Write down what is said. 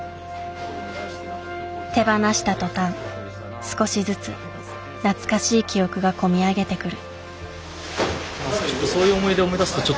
手放した途端少しずつ懐かしい記憶が込み上げてくる。